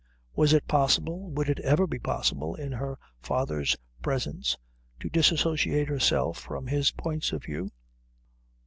Was it possible, would it ever be possible, in her father's presence to disassociate herself from his points of view?